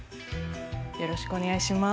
よろしくお願いします。